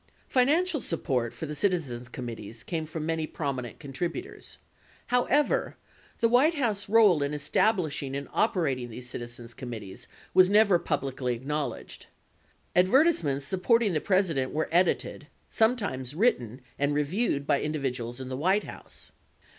Financial support for the citizens committees came from many prominent contributors. 90 How ever, the White House role in establishing and operating these citizens' committees was never publicly acknowledged. Advertisements support ing the President were edited, sometimes written, and reviewed by in dividuals in the White House.